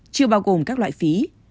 chưa bao gồm các loại phí